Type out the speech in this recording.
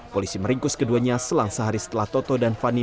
polisi meringkus keduanya selang sehari setelah toto dan fani